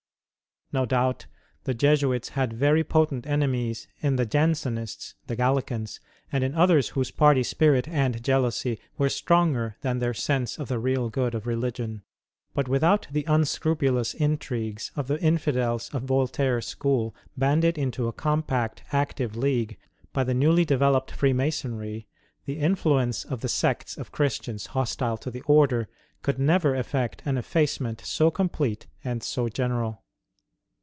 No doubt the Jesuits had very potent enemies in the Jansenists, the Galileans, and in others whose party spirit and jealousy were stronger than their sense of the real good of religion. But without the unscru pidous intrigues of the Infidels of Voltaire's school banded into a compact active league by the newly developed Freemasonry, the influence of the sects of Christians hostile to the Order could never effect an effacement so complete and so general.